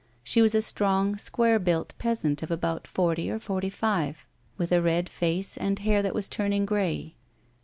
She was a strong, square built peasant of about forty or forty five, with a red face and hair that was turning grey.